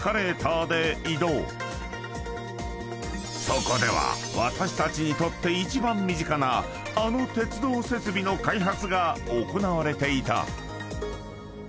［そこでは私たちにとって一番身近なあの鉄道設備の開発が行われていた］